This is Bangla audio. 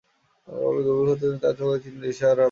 কপালে গভীর ক্ষতচিহ্ন, তাঁর চোখের দৃষ্টিতে দিশেহারা ভাব।